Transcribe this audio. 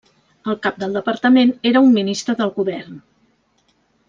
El cap del departament era un Ministre del Govern.